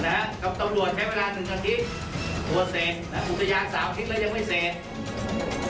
กับตำรวจใช้เวลาหนึ่งอาทิตย์ตัวเสร็จนะอุทยานสามอาทิตย์แล้วยังไม่เสร็จ